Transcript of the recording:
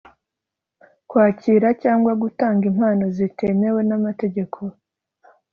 kwakira cyangwa gutanga impano zitemewe n’amategeko